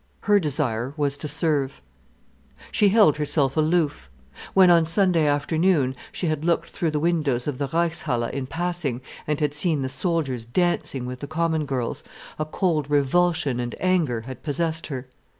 Her desire was to serve. She held herself aloof. When, on Sunday afternoon, she had looked through the windows of the Reichshalle in passing, and had seen the soldiers dancing with the common girls, a cold revulsion and anger had possessed her.